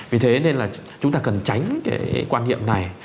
vì thế nên là chúng ta cần tránh cái quan niệm này